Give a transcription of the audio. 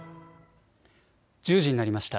１０時になりました。